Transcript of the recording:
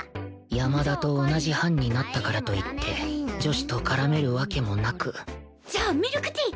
山田と同じ班になったからといって女子と絡めるわけもなくじゃあミルクティー！